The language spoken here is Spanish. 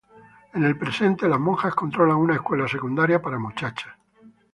En el presente las monjas controlan una escuela secundaria para muchachas.